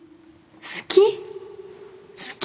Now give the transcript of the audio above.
好き。